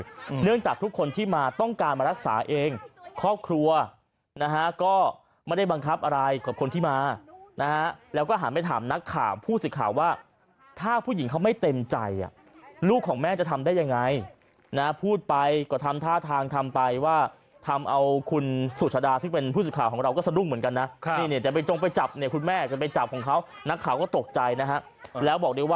ของใครเนื่องจากทุกคนที่มาต้องการมารักษาเองครอบครัวนะฮะก็ไม่ได้บังคับอะไรกับคนที่มานะฮะแล้วก็หาไปถามนักข่าวผู้สิทธิ์ข่าวว่าถ้าผู้หญิงเขาไม่เต็มใจอ่ะลูกของแม่จะทำได้ยังไงนะฮะพูดไปก็ทำท่าทางทำไปว่าทำเอาคุณสุชดาที่เป็นผู้สิทธิ์ข่าวของเราก็สะดุ้งเหมือนกันนะครับนี่เ